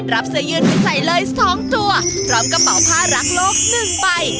รับเสื้อยืนไปใส่เลยสองตัวพร้อมกระเป๋าผ้ารักโลกหนึ่งไป